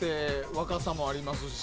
若さもありますし。